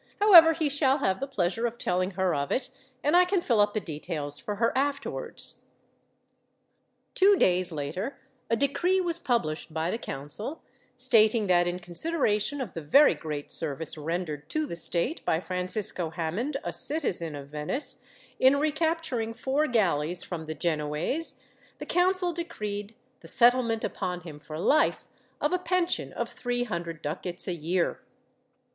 However, he shall have the pleasure of telling her of it, and I can fill up the details for her, afterwards." Two days later, a decree was published by the council stating that, in consideration of the very great service rendered to the state by Francisco Hammond, a citizen of Venice, in recapturing four galleys from the Genoese, the council decreed the settlement upon him, for life, of a pension of three hundred ducats a year.